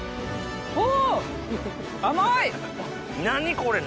お！